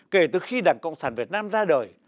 kể từ khi đảng cộng sản việt nam ra đời